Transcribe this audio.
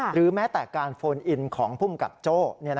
หรือแม้แต่การโฟนอินของภูมิกับโจ้